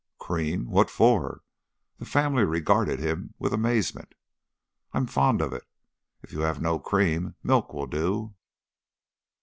"Cream? What for?" The family regarded him with amazement. "I'm fond of it. If you have no cream, milk will do."